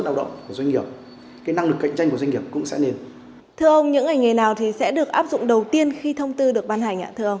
thưa ông những ngành nghề nào sẽ được áp dụng đầu tiên khi thông tư được ban hành